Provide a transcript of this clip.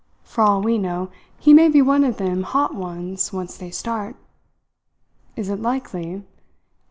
For all we know, he may be one of them hot ones once they start " "Is it likely?"